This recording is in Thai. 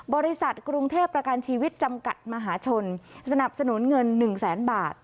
บริษัทกรุงเทพประกันชีวิตจำกัดมหาชนสนับสนุนเงิน๑แสนบาท